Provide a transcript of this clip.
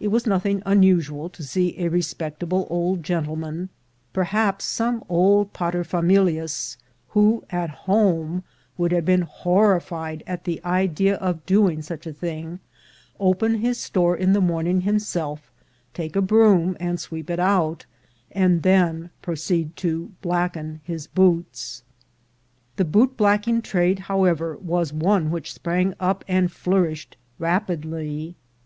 It was nothing unusual to see a respectable old gentleman, perhaps some old paterfamilias, who at home would have been horrified at the idea of doing such a thing, open his store in the morning himself, take a broom and sweep it out, and then proceed to blacken his boots. The boot blacking trade, however, was one which sprang up and flourished rapidly.